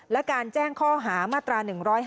และการแจ้งข้อหามาตรา๑๕